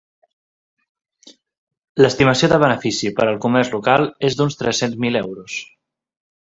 L'estimació de benefici per al comerç local és d'uns tres-cents mil euros.